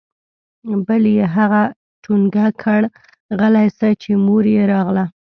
بل يې هغه ټونګه كړ غلى سه چې مور يې راغله.